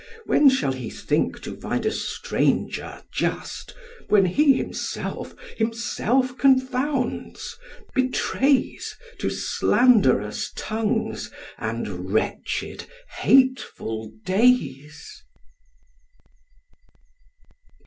When shall he think to find a stranger just, When he himself himself confounds, betrays To slanderous tongues and wretched hateful days?